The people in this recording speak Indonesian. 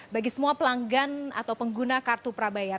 bagi semua pelanggan atau pengguna kartu prabayar